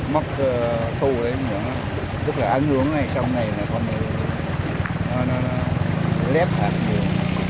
mắc thu đấy tức là ăn uống này sau ngày này không được nó lép hạt nhiều